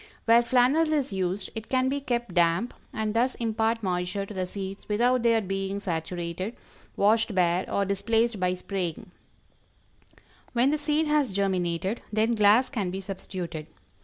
Where flannel is used, it can be kept damp and thus impart moisture to the seeds without their being saturated, washed bare, or displaced by spraying. When the seed has germinated, then glass can be substituted.